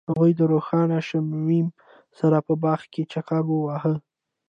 هغوی د روښانه شمیم سره په باغ کې چکر وواهه.